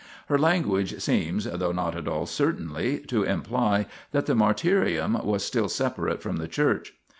Her language seems, though not at all certainly, to imply that the martyrium was still separate from the church.